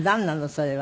それは。